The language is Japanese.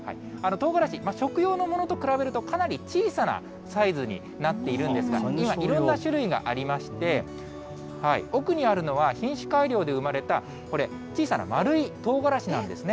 とうがらし、食用のものと比べると、かなり小さなサイズになっているんですが、いろんな種類がありまして、奥にあるのは、品種改良で生まれた、これ、小さな丸いとうがらしなんですね。